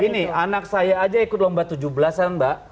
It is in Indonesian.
gini anak saya aja ikut lomba tujuh belasan mbak